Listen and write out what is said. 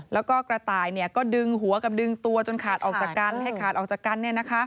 แล้วก็กระต่ายก็ดึงหัวกับดึงตัวจนขาดออกจากกัน